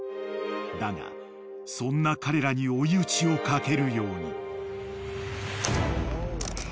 ［だがそんな彼らに追い打ちをかけるように］